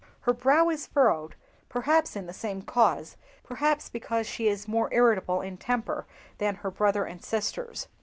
Her brow is furrowed, perhaps from the same cause, perhaps because she is more irritable in temper than her brother and sisters.